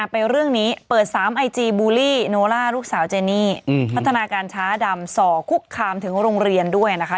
ไปเรื่องนี้เปิด๓ไอจีบูลลี่โนล่าลูกสาวเจนี่พัฒนาการช้าดำส่อคุกคามถึงโรงเรียนด้วยนะคะ